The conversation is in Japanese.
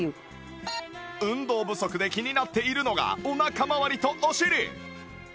運動不足で気になっているのがお腹まわりとお尻